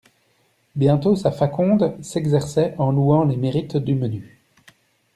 Bientôt sa faconde s'exerçait en louant les mérites du menu.